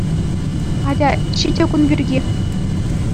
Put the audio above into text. Атя, ҫитӗ кун пирки.